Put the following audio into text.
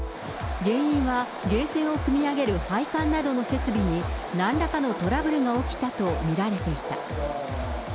原因は源泉をくみ上げる配管などの設備になんらかのトラブルが起きたと見られていた。